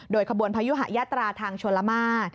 โดยขบวนพยุหะญาตราทางชวนละมา